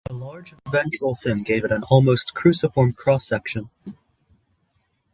A large ventral fin gave it an almost cruciform cross-section.